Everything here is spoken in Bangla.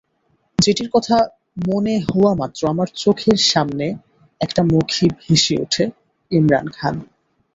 যেটির কথা মনে হওয়ামাত্র আমার চোখের সামনে একটা মুখই ভেসে ওঠে—ইমরান খান।